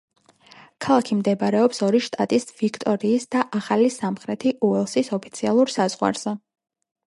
ქალაქი მდებარეობს ორი შტატის ვიქტორიის და ახალი სამხრეთი უელსის ოფიციალურ საზღვარზე.